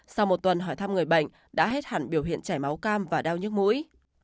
sau một tuần hỏi thăm người bệnh đã hết hẳn biểu hiện chảy máu cam và đau nhức mũi